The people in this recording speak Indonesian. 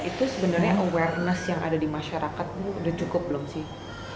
itu sebenarnya awareness yang ada di masyarakat itu udah cukup belum sih